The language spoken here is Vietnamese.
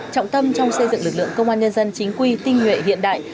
trọng tâm trong xây dựng lực lượng công an nhân dân chính quy tinh nguyện hiện đại